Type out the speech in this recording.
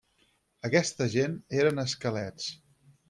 Aquesta gent eren esquelets.